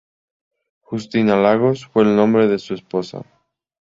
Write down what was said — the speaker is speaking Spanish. Justina Lagos fue el nombre de su esposa.